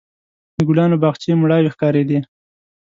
د ګلانو باغچې مړاوې ښکارېدې.